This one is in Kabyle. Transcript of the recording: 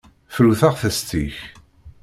Fru taɣtest-ik.